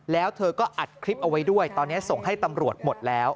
แล้วเธอก็อัดคลิปเอาไว้ด้วยตอนนี้ส่งให้ตำรวจหมดแล้ว